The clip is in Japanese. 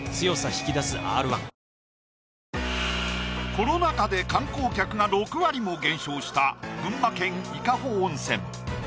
コロナ禍で観光客が６割も減少した群馬県伊香保温泉。